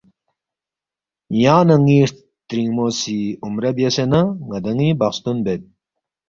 یانگ نہ ن٘ی سترِنگمو سی عمرہ بیاسے نہ ن٘دان٘ی بخستون بید